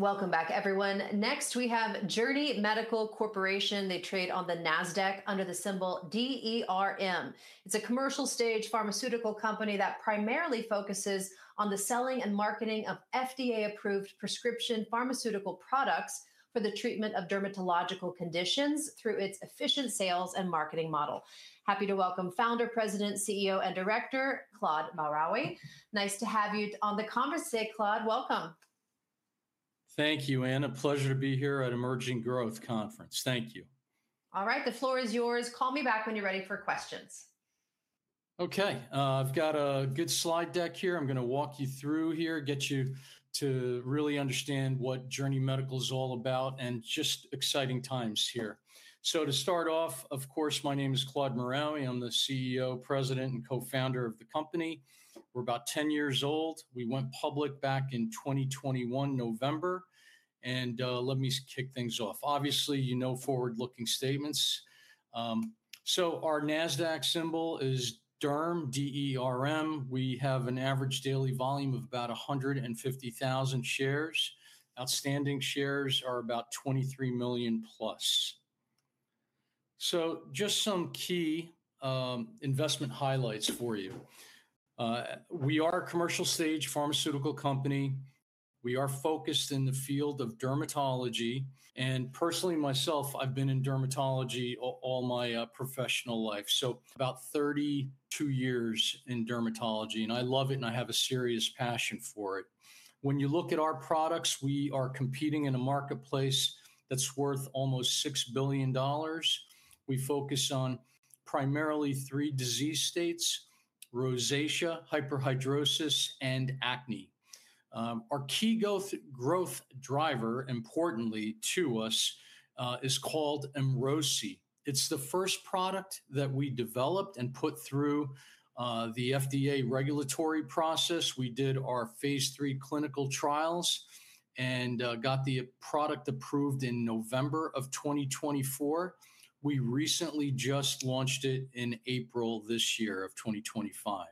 Welcome back, everyone. Next, we have Journey Medical Corporation. They trade on the NASDAQ under the symbol D-E-R-M. It's a commercial-stage pharmaceutical company that primarily focuses on the selling and marketing of FDA-approved prescription pharmaceutical products for the treatment of dermatological conditions through its efficient sales and marketing model. Happy to welcome Founder, President, CEO, and Director Claude Maraoui. Nice to have you on the conference today, Claude. Welcome. Thank you, Anna. A pleasure to be here at Emerging Growth Conference. Thank you. All right, the floor is yours. Call me back when you're ready for questions. Okay, I've got a good slide deck here. I'm going to walk you through here, get you to really understand what Journey Medical is all about and just exciting times here. To start off, of course, my name is Claude Maraoui. I'm the CEO, President, and Co-Founder of the company. We're about 10 years old. We went public back in 2021 November. Let me kick things off. Obviously, you know, forward-looking statements. Our NASDAQ symbol is DERM, D-E-R-M. We have an average daily volume of about 150,000 shares. Outstanding shares are about 23 million+. Just some key investment highlights for you. We are a commercial-stage pharmaceutical company. We are focused in the field of dermatology. Personally, myself, I've been in dermatology all my professional life. About 32 years in dermatology. I love it, and I have a serious passion for it. When you look at our products, we are competing in a marketplace that's worth almost $6 billion. We focus on primarily three disease states: rosacea, hyperhidrosis, and acne. Our key growth driver, importantly to us, is called Emrosi. It's the first product that we developed and put through the FDA regulatory process. We did our phase III clinical trials and got the product approved in November 2024. We recently just launched it in April this year of 2025.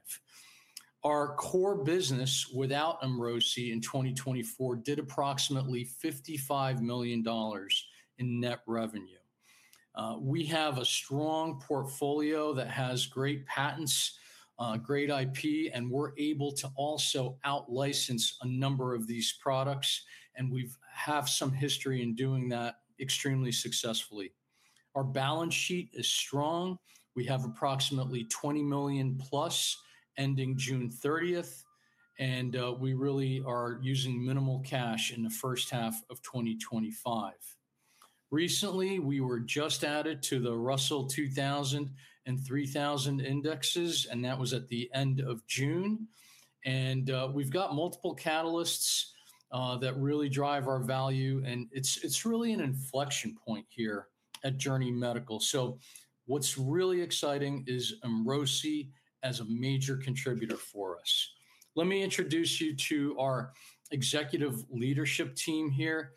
Our core business without Emrosi in 2024 did approximately $55 million in net revenue. We have a strong portfolio that has great patents, great IP, and we're able to also out-license a number of these products. We have some history in doing that extremely successfully. Our balance sheet is strong. We have approximately $20 million+ ending June 30th. We really are using minimal cash in the first half of 2025. Recently, we were just added to the Russell 2000 and 3000 indexes, and that was at the end of June. We've got multiple catalysts that really drive our value. It's really an inflection point here at Journey Medical. What's really exciting is Emrosi as a major contributor for us. Let me introduce you to our executive leadership team here.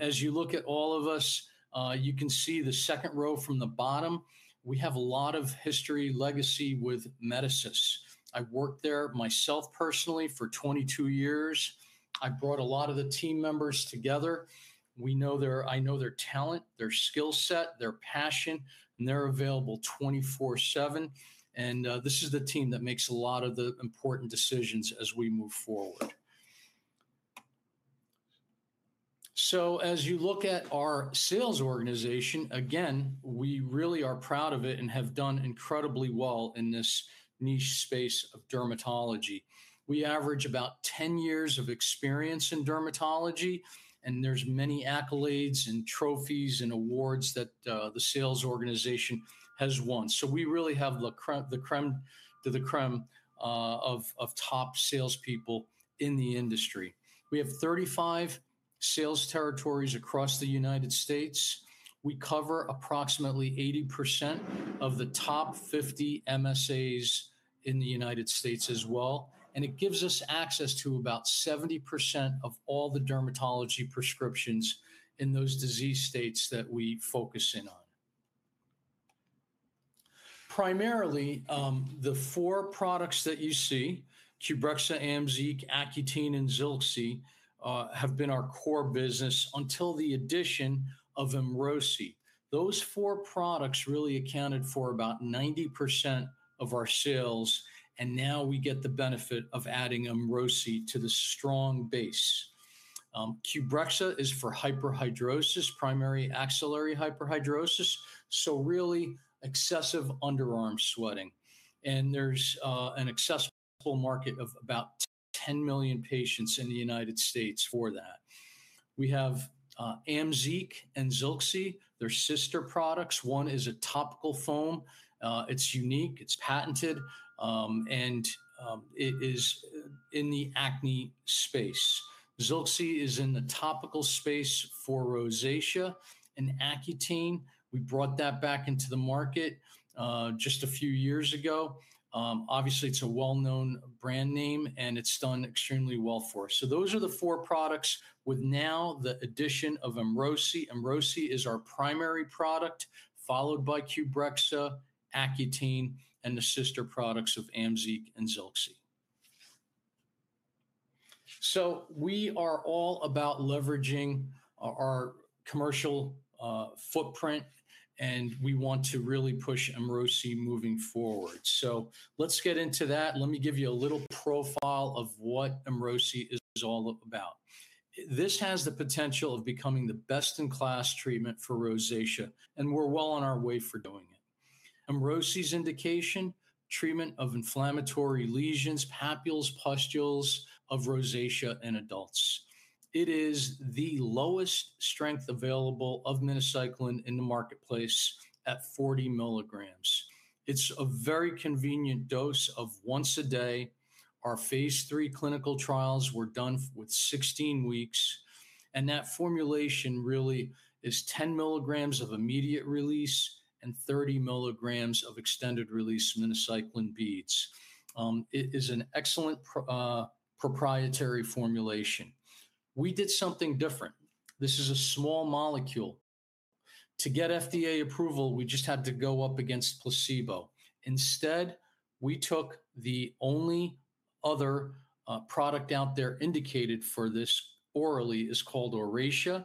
As you look at all of us, you can see the second row from the bottom. We have a lot of history and legacy with Medisis. I worked there myself personally for 22 years. I brought a lot of the team members together. We know their talent, their skill set, their passion, and they're available 24/7. This is the team that makes a lot of the important decisions as we move forward. As you look at our sales organization, we really are proud of it and have done incredibly well in this niche space of dermatology. We average about 10 years of experience in dermatology, and there are many accolades, trophies, and awards that the sales organization has won. We really have the crème de la crème of top salespeople in the industry. We have 35 sales territories across the United States. We cover approximately 80% of the top 50 MSAs in the United States as well. It gives us access to about 70% of all the dermatology prescriptions in those disease states that we focus in on. Primarily, the four products that you see, Qbrexza, Amzeeq, Accutane, and Zilxi, have been our core business until the addition of Emrosi. Those four products really accounted for about 90% of our sales, and now we get the benefit of adding Emrosi to the strong base. Qbrexza is for hyperhidrosis, primary axillary hyperhidrosis, so really excessive underarm sweating. There is an accessible market of about 10 million patients in the United States for that. We have Amzeeq and Zilxi, their sister products. One is a topical foam. It's unique. It's patented. It is in the acne space. Zilxi is in the topical space for rosacea and Accutane. We brought that back into the market just a few years ago. Obviously, it's a well-known brand name, and it's done extremely well for us. Those are the four products with now the addition of Emrosi. Emrosi is our primary product, followed by Qbrexza, Accutane, and the sister products of Amzeeq and Zilxi. We are all about leveraging our commercial footprint, and we want to really push Emrosi moving forward. Let's get into that. Let me give you a little profile of what Emrosi is all about. This has the potential of becoming the best-in-class treatment for rosacea, and we're well on our way for doing it. Emrosi's indication: treatment of inflammatory lesions, papules, pustules of rosacea in adults. It is the lowest strength available of minocycline in the marketplace at 40 mg. It's a very convenient dose of once a day. Our phase III clinical trials were done with 16 weeks, and that formulation really is 10 mg of immediate release and 30 mg of extended release minocycline beads. It is an excellent proprietary formulation. We did something different. This is a small molecule. To get FDA approval, we just had to go up against placebo. Instead, we took the only other product out there indicated for this orally. It's called Oracea.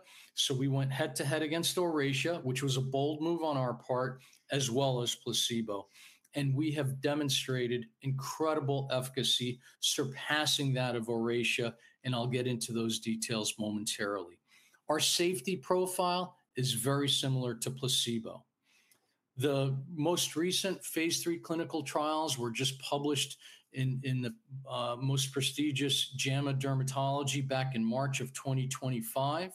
We went head-to-head against Oracea, which was a bold move on our part, as well as placebo. We have demonstrated incredible efficacy, surpassing that of Oracea, and I'll get into those details momentarily. Our safety profile is very similar to placebo. The most recent phase III clinical trials were just published in the most prestigious JAMA Dermatology back in March of 2025.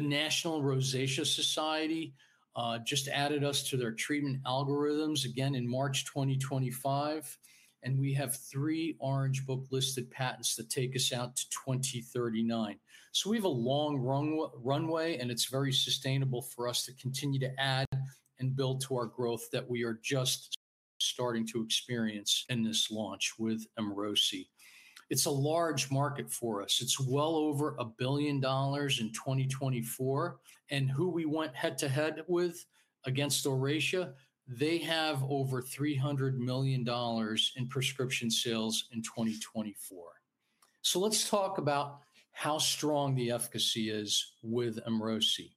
The National Rosacea Society just added us to their treatment algorithms again in March 2025. We have three Orange Book listed patents that take us out to 2039. We have a long runway, and it's very sustainable for us to continue to add and build to our growth that we are just starting to experience in this launch with Emrosi. It's a large market for us. It's well over $1 billion in 2024. Who we went head-to-head with against Oracea, they have over $300 million in prescription sales in 2024. Let's talk about how strong the efficacy is with Emrosi.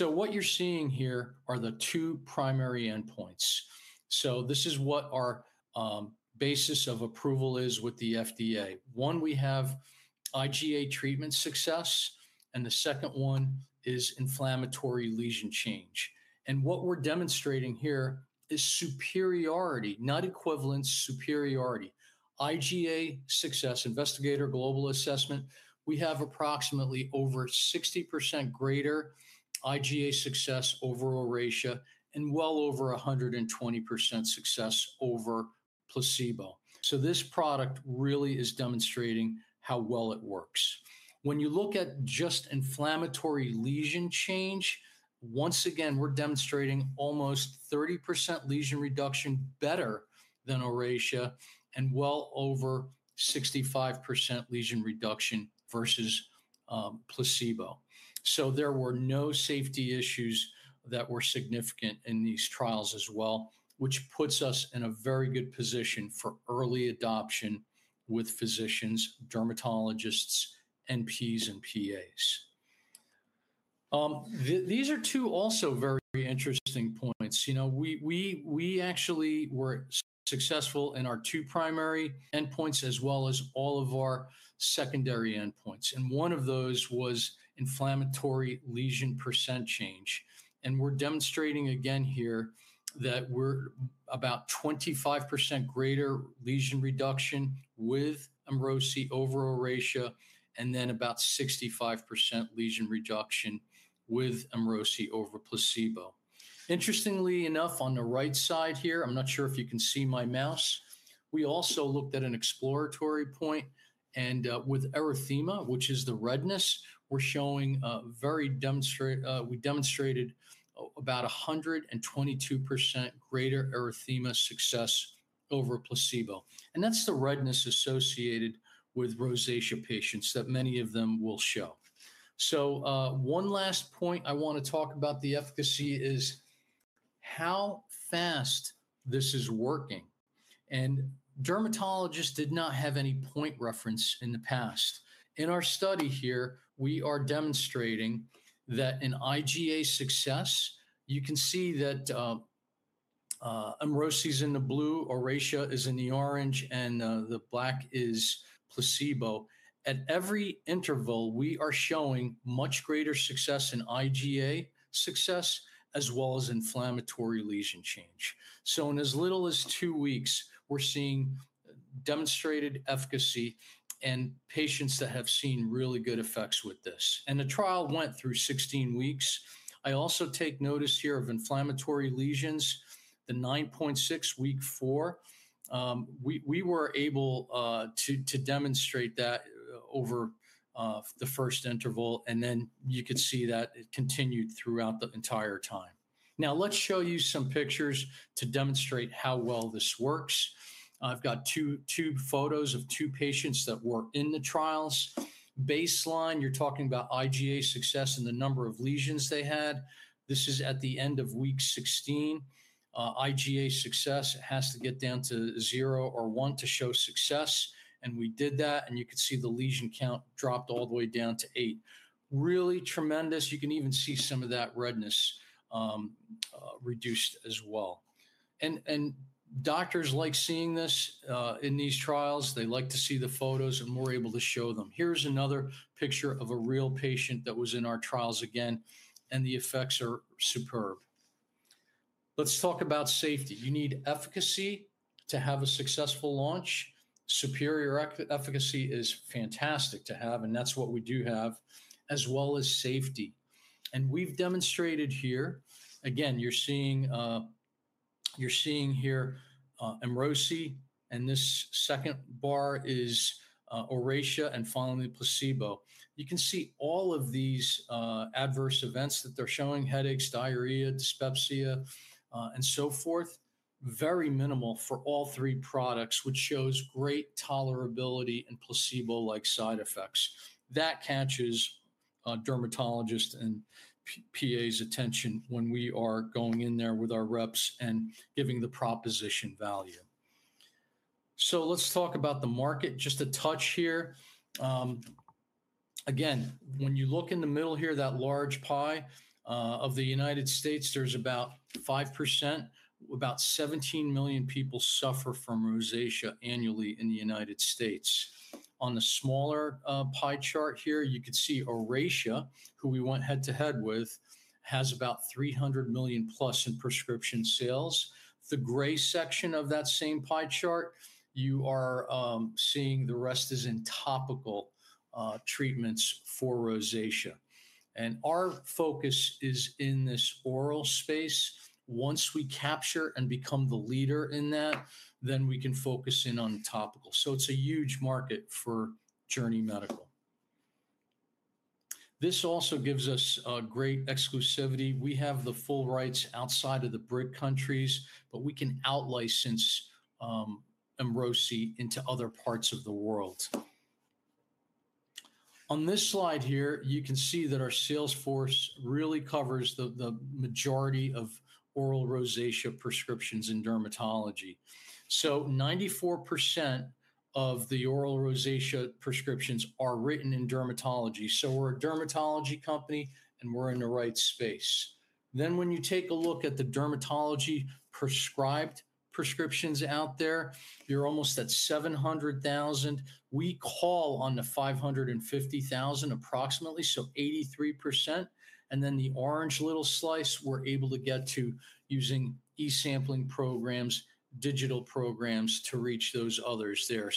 What you're seeing here are the two primary endpoints. This is what our basis of approval is with the FDA. One, we have IgA treatment success, and the second one is inflammatory lesion change. What we're demonstrating here is superiority, not equivalence, superiority. IgA success, Investigator Global Assessment, we have approximately over 60% greater IgA success over Oracea and well over 120% success over placebo. This product really is demonstrating how well it works. When you look at just inflammatory lesion change, once again, we're demonstrating almost 30% lesion reduction better than Oracea and well over 65% lesion reduction versus placebo. There were no safety issues that were significant in these trials as well, which puts us in a very good position for early adoption with physicians, dermatologists, NPs, and PAs. These are two also very interesting points. We actually were successful in our two primary endpoints as well as all of our secondary endpoints. One of those was inflammatory lesion percent change. We're demonstrating again here that we're about 25% greater lesion reduction with Emrosi over Oracea and then about 65% lesion reduction with Emrosi over placebo. Interestingly enough, on the right side here, I'm not sure if you can see my mouse. We also looked at an exploratory point and with erythema, which is the redness, we're showing very demonstrated about 122% greater erythema success over placebo. That's the redness associated with rosacea patients that many of them will show. One last point I want to talk about the efficacy is how fast this is working. Dermatologists did not have any point reference in the past. In our study here, we are demonstrating that in IgA success, you can see that Emrosi is in the blue, Oracea is in the orange, and the black is placebo. At every interval, we are showing much greater success in IgA success as well as inflammatory lesion change. In as little as two weeks, we're seeing demonstrated efficacy and patients that have seen really good effects with this. The trial went through 16 weeks. I also take notice here of inflammatory lesions, the 9.6 week four. We were able to demonstrate that over the first interval, and then you could see that it continued throughout the entire time. Now let's show you some pictures to demonstrate how well this works. I've got two photos of two patients that were in the trials. Baseline, you're talking about IgA success and the number of lesions they had. This is at the end of week 16. IgA success has to get down to zero or one to show success. We did that, and you could see the lesion count dropped all the way down to eight. Really tremendous. You can even see some of that redness reduced as well. Doctors like seeing this in these trials. They like to see the photos, and we're able to show them. Here's another picture of a real patient that was in our trials again, and the effects are superb. Let's talk about safety. You need efficacy to have a successful launch. Superior efficacy is fantastic to have, and that's what we do have, as well as safety. We've demonstrated here, again, you're seeing here Emrosi, and this second bar is Oracea, and finally placebo. You can see all of these adverse events that they're showing: headaches, diarrhea, dyspepsia, and so forth. Very minimal for all three products, which shows great tolerability and placebo-like side effects. That catches dermatologists and PAs' attention when we are going in there with our reps and giving the proposition value. Let's talk about the market just a touch here. Again, when you look in the middle here, that large pie of the United States, there's about 5%. About 17 million people suffer from rosacea annually in the United States. On the smaller pie chart here, you could see Oracea, who we went head-to-head with, has about $300 million plus in prescription sales. The gray section of that same pie chart, you are seeing the rest is in topical treatments for rosacea. Our focus is in this oral space. Once we capture and become the leader in that, we can focus in on topical. It is a huge market for Journey Medical. This also gives us a great exclusivity. We have the full rights outside of the BRIC countries, but we can out-license Emrosi into other parts of the world. On this slide here, you can see that our sales force really covers the majority of oral rosacea prescriptions in dermatology. 94% of the oral rosacea prescriptions are written in dermatology. We are a dermatology company, and we are in the right space. When you take a look at the dermatology prescribed prescriptions out there, you are almost at 700,000. We call on the 550,000 approximately, so 83%. The orange little slice, we are able to get to using e-sampling programs, digital programs to reach those others there.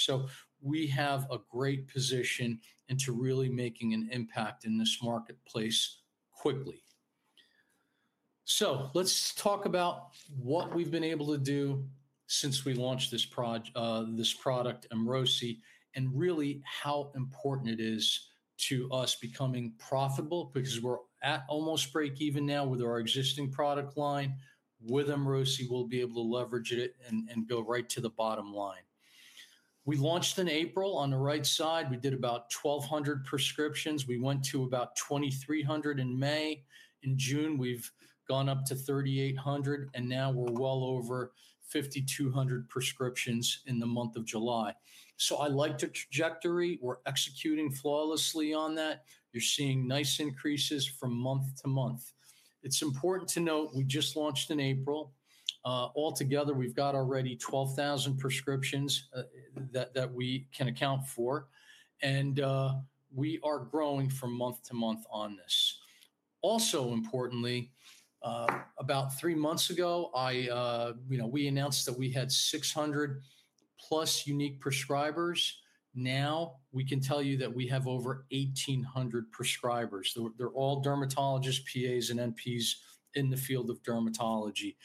We have a great position and to really making an impact in this marketplace quickly. Let's talk about what we've been able to do since we launched this product, Emrosi, and really how important it is to us becoming profitable because we're at almost break even now with our existing product line. With Emrosi, we'll be able to leverage it and go right to the bottom line. We launched in April. On the right side, we did about 1,200 prescriptions. We went to about 2,300 in May. In June, we've gone up to 3,800, and now we're well over 5,200 prescriptions in the month of July. I like the trajectory. We're executing flawlessly on that. You are seeing nice increases from month to month. It's important to note we just launched in April. Altogether, we've got already 12,000 prescriptions that we can account for. We are growing from month to month on this. Also, importantly, about three months ago, we announced that we had 600+ unique prescribers. Now we can tell you that we have over 1,800 prescribers. They are all dermatologists, PAs, and NPs in the field of dermatology.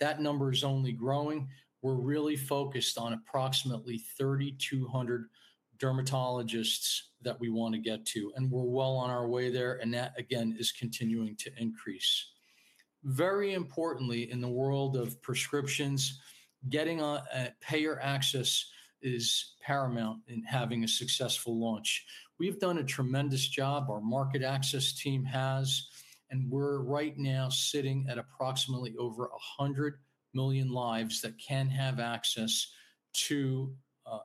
That number is only growing. We are really focused on approximately 3,200 dermatologists that we want to get to. We are well on our way there. That, again, is continuing to increase. Very importantly, in the world of prescriptions, getting payer access is paramount in having a successful launch. We've done a tremendous job. Our market access team has, and we're right now sitting at approximately over 100 million lives that can have access to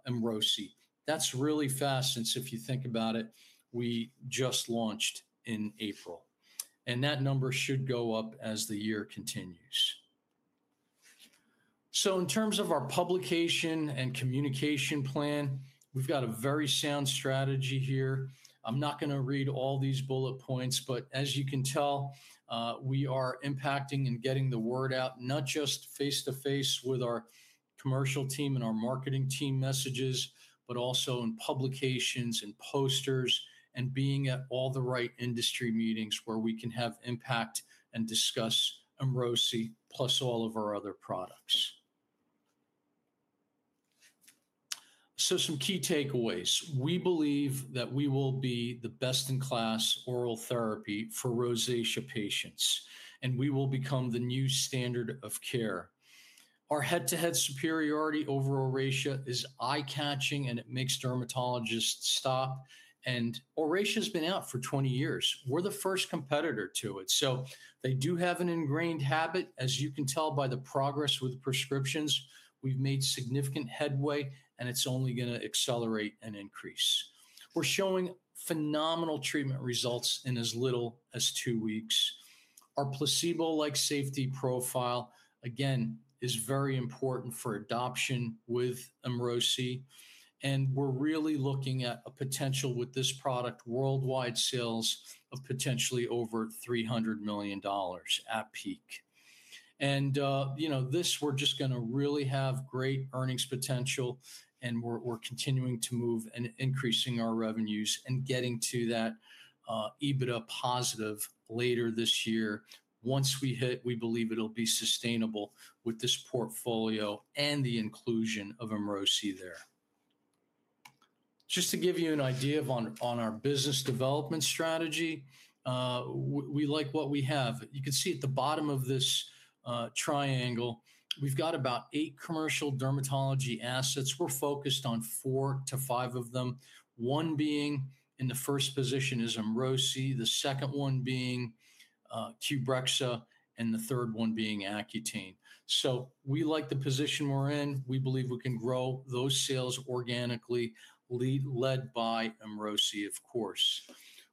Emrosi. That's really fast since if you think about it, we just launched in April. That number should go up as the year continues. In terms of our publication and communication plan, we've got a very sound strategy here. I'm not going to read all these bullet points, but as you can tell, we are impacting and getting the word out, not just face-to-face with our commercial team and our marketing team messages, but also in publications and posters and being at all the right industry meetings where we can have impact and discuss Emrosi plus all of our other products. Some key takeaways. We believe that we will be the best-in-class oral therapy for rosacea patients, and we will become the new standard of care. Our head-to-head superiority over Oracea is eye-catching, and it makes dermatologists stop. Oracea has been out for 20 years. We're the first competitor to it. They do have an ingrained habit, as you can tell by the progress with prescriptions. We've made significant headway, and it's only going to accelerate and increase. We're showing phenomenal treatment results in as little as two weeks. Our placebo-like safety profile, again, is very important for adoption with Emrosi. We're really looking at a potential with this product, worldwide sales of potentially over $300 million at peak. You know this, we're just going to really have great earnings potential, and we're continuing to move and increasing our revenues and getting to that EBITDA positive later this year. Once we hit, we believe it'll be sustainable with this portfolio and the inclusion of Emrosi there. Just to give you an idea on our business development strategy, we like what we have. You can see at the bottom of this triangle, we've got about eight commercial dermatology assets. We're focused on four to five of them. One being in the first position is Emrosi, the second one being Qbrexza, and the third one being Accutane. We like the position we're in. We believe we can grow those sales organically, led by Emrosi, of course.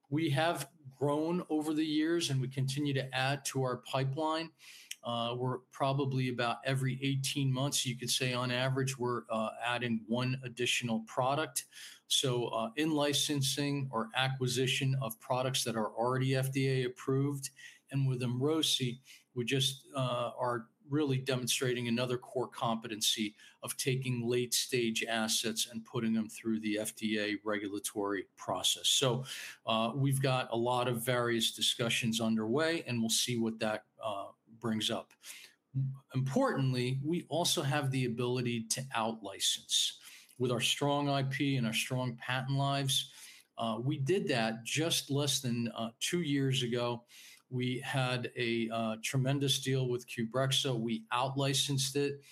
We have grown over the years, and we continue to add to our pipeline. We're probably about every 18 months, you could say on average, we're adding one additional product. In licensing or acquisition of products that are already FDA-approved. With Emrosi, we are really demonstrating another core competency of taking late-stage assets and putting them through the FDA regulatory process. We have a lot of various discussions underway, and we'll see what that brings up. Importantly, we also have the ability to out-license. With our strong IP and our strong patent lives, we did that just less than two years ago. We had a tremendous deal with Qbrexza. We out-licensed it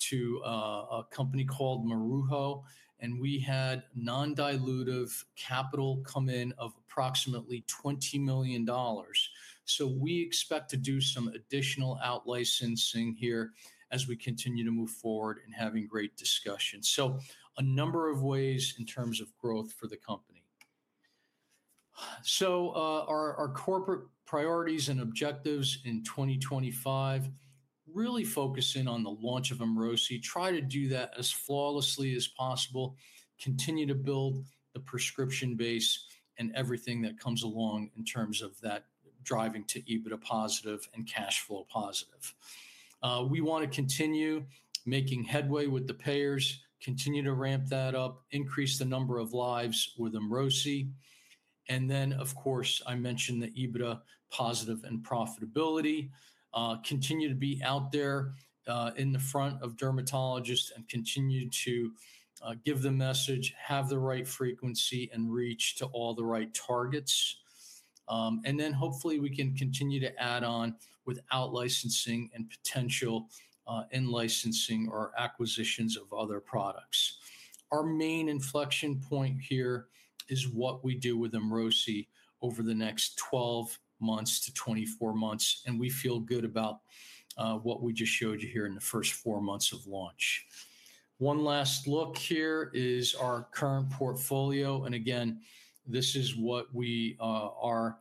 to a company called Maruho, and we had non-dilutive capital come in of approximately $20 million. We expect to do some additional out-licensing here as we continue to move forward and have great discussions. There are a number of ways in terms of growth for the company. Our corporate priorities and objectives in 2025 really focus in on the launch of Emrosi, trying to do that as flawlessly as possible, continue to build the prescription base and everything that comes along in terms of that driving to EBITDA positive and cash flow positive. We want to continue making headway with the payers, continue to ramp that up, increase the number of lives with Emrosi. Of course, I mentioned the EBITDA positive and profitability. We continue to be out there in front of dermatologists and continue to give the message, have the right frequency, and reach to all the right targets. Hopefully, we can continue to add on with out-licensing and potential in-licensing or acquisitions of other products. Our main inflection point here is what we do with Emrosi over the next 12 months to 24 months. We feel good about what we just showed you here in the first four months of launch. One last look here is our current portfolio. This is what we are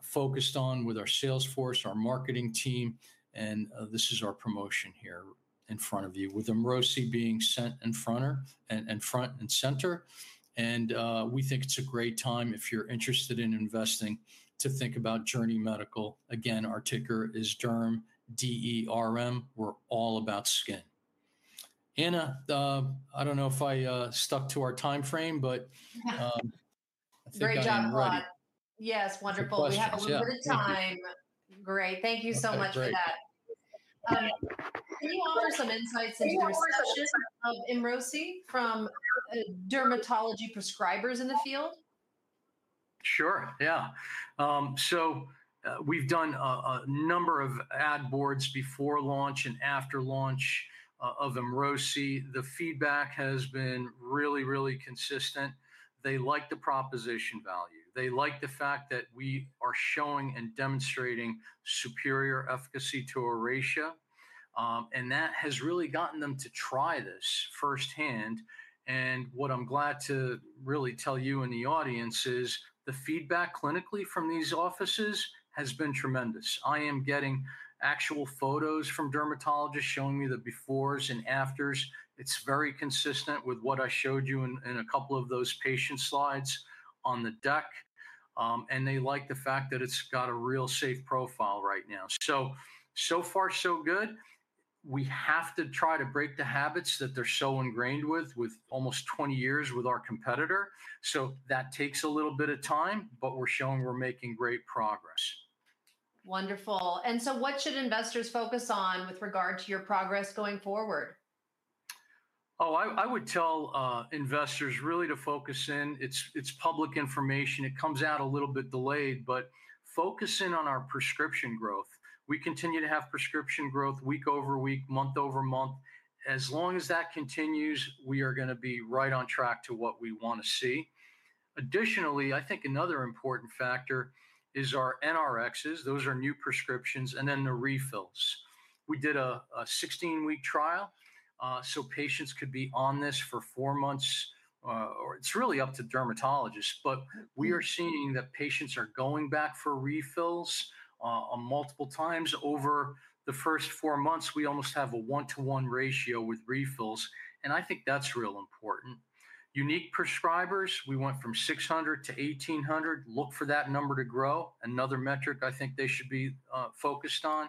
focused on with our sales force, our marketing team, and this is our promotion here in front of you with Emrosi being front and center. We think it's a great time if you're interested in investing to think about Journey Medical. Our ticker is DERM, D-E-R-M. We're all about skin. Anna, I don't know if I stuck to our timeframe, but I think we're getting ready. Yes, wonderful. We have a little bit of time. Great. Thank you so much for that. Can you offer some insights into the position of Emrosi from dermatology prescribers in the field? Sure. Yeah. We have done a number of ad boards before launch and after launch of Emrosi. The feedback has been really, really consistent. They like the proposition value. They like the fact that we are showing and demonstrating superior efficacy to Oracea. That has really gotten them to try this firsthand. What I am glad to really tell you in the audience is the feedback clinically from these offices has been tremendous. I am getting actual photos from dermatologists showing me the befores and afters. It is very consistent with what I showed you in a couple of those patient slides on the deck. They like the fact that it has got a real safe profile right now. So far, so good. We have to try to break the habits that they are so ingrained with, with almost 20 years with our competitor. That takes a little bit of time, but we are showing we are making great progress. Wonderful. What should investors focus on with regard to your progress going forward? Oh, I would tell investors really to focus in. It's public information. It comes out a little bit delayed, but focus in on our prescription growth. We continue to have prescription growth week over week, month over month. As long as that continues, we are going to be right on track to what we want to see. Additionally, I think another important factor is our NRXs. Those are new prescriptions and then the refills. We did a 16-week trial so patients could be on this for four months. It's really up to dermatologists, but we are seeing that patients are going back for refills multiple times over the first four months. We almost have a one-to-one ratio with refills. I think that's real important. Unique prescribers, we went from 600 to 1,800. Look for that number to grow. Another metric I think they should be focused on.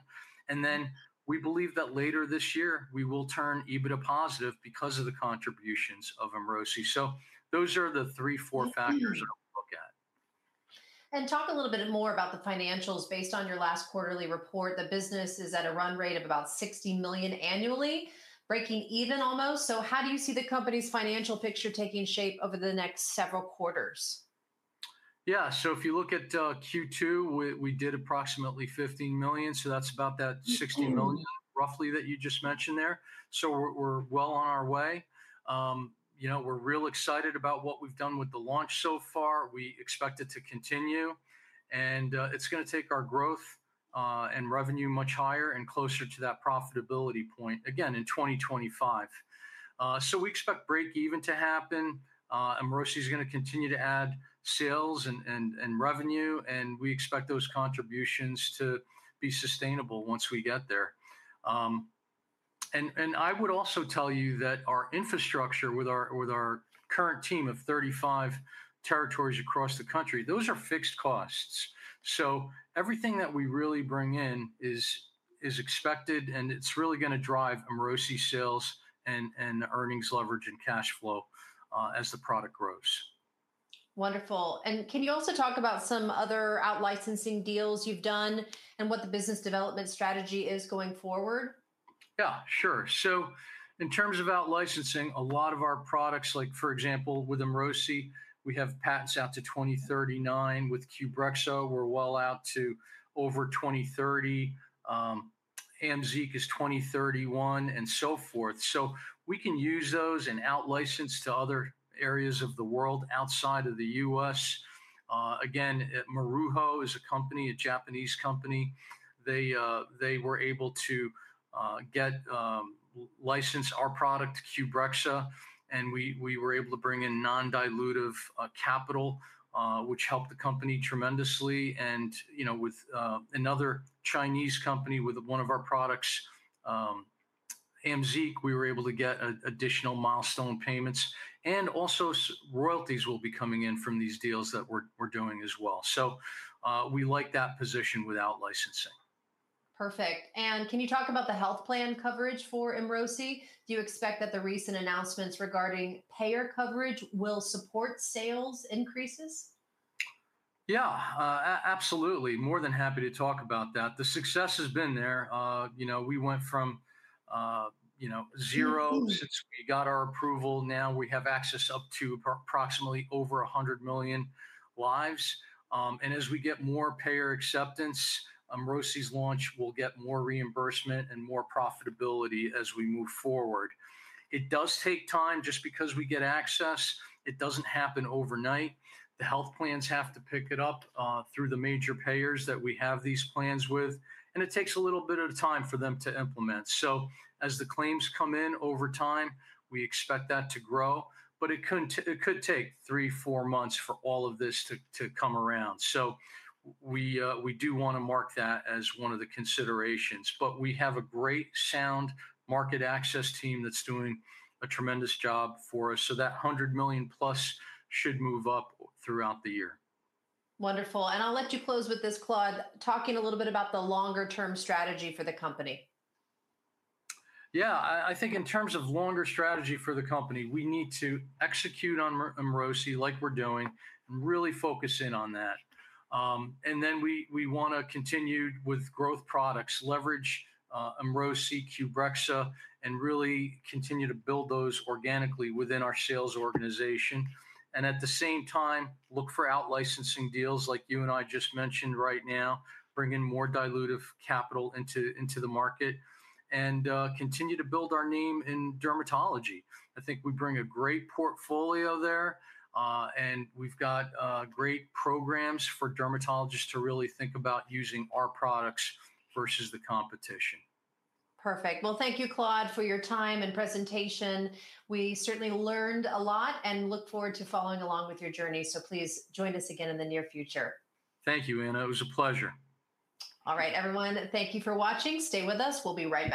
We believe that later this year we will turn EBITDA positive because of the contributions of Emrosi. Those are the three, four factors that we look at. You talk a little bit more about the financials based on your last quarterly report. The business is at a run rate of about $60 million annually, breaking even almost. How do you see the company's financial picture taking shape over the next several quarters? Yeah, so if you look at Q2, we did approximately $15 million. That's about that $60 million roughly that you just mentioned there. We're real excited about what we've done with the launch so far. We expect it to continue, and it's going to take our growth and revenue much higher and closer to that profitability point, again, in 2025. We expect break-even to happen. Emrosi is going to continue to add sales and revenue, and we expect those contributions to be sustainable once we get there. I would also tell you that our infrastructure with our current team of 35 territories across the country, those are fixed costs. Everything that we really bring in is expected, and it's really going to drive Emrosi sales and earnings leverage and cash flow as the product grows. Wonderful. Can you also talk about some other out-licensing deals you've done and what the business development strategy is going forward? Yeah, sure. In terms of out-licensing, a lot of our products, like for example, with Emrosi, we have patents out to 2039. With Qbrexza, we're well out to over 2030. Amzeeq is 2031 and so forth. We can use those and out-license to other areas of the world outside of the U.S. Maruho is a Japanese company. They were able to license our product, Qbrexza, and we were able to bring in non-dilutive capital, which helped the company tremendously. With another Chinese company with one of our products, Amzeeq, we were able to get additional milestone payments. Also, royalties will be coming in from these deals that we're doing as well. We like that position with out-licensing. Perfect. Can you talk about the health plan coverage for Emrosi? Do you expect that the recent announcements regarding payer coverage will support sales increases? Yeah, absolutely. More than happy to talk about that. The success has been there. You know, we went from zero since we got our approval. Now we have access up to approximately over 100 million lives. As we get more payer acceptance, Emrosi's launch will get more reimbursement and more profitability as we move forward. It does take time just because we get access. It doesn't happen overnight. The health plans have to pick it up through the major payers that we have these plans with. It takes a little bit of time for them to implement. As the claims come in over time, we expect that to grow. It could take three, four months for all of this to come around. We do want to mark that as one of the considerations. We have a great, sound market access team that's doing a tremendous job for us. That 100 million+ should move up throughout the year. Wonderful. I'll let you close with this, Claude, talking a little bit about the longer-term strategy for the company. Yeah, I think in terms of longer strategy for the company, we need to execute on Emrosi like we're doing and really focus in on that. We want to continue with growth products, leverage Emrosi, Qbrexza, and really continue to build those organically within our sales organization. At the same time, look for out-licensing deals like you and I just mentioned right now, bring in more dilutive capital into the market, and continue to build our name in dermatology. I think we bring a great portfolio there. We've got great programs for dermatologists to really think about using our products versus the competition. Thank you, Claude, for your time and presentation. We certainly learned a lot and look forward to following along with your journey. Please join us again in the near future. Thank you, Anna. It was a pleasure. All right, everyone, thank you for watching. Stay with us. We'll be right back.